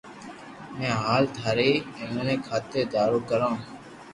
۾ ھال ٿاري ايويي خاتر دارو ڪرو